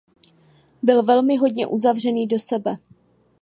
Byl velmi hodně uzavřený do sebe.